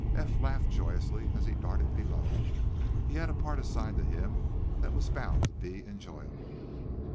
Eph laughed joyously as he darted below. He had a part assigned to him that was bound to be enjoyable.